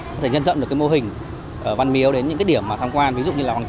có thể nhân dận được cái mô hình ở văn miếu đến những cái điểm mà tham quan ví dụ như là hoàng